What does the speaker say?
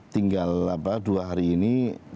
tinggal dua hari ini